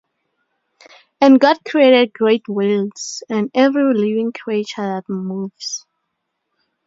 And God created great whales, and every living créature that moves.